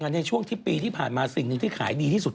ในช่วงปีที่ผ่านมาสิ่งที่ขายดีที่สุด